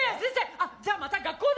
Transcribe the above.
あっじゃあまた学校で。